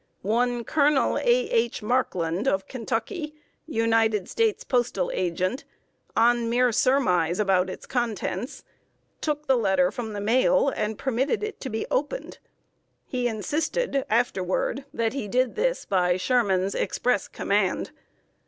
One "Colonel" A. H. Markland, of Kentucky, United States Postal Agent, on mere surmise about its contents, took the letter from the mail and permitted it to be opened. He insisted afterward that he did this by Sherman's express command.